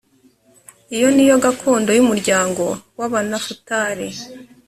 iyo ni yo gakondo y umuryango w ‘abanafutali.